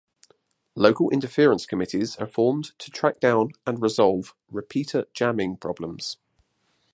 Local interference committees are formed to track down and resolve repeater jamming problems.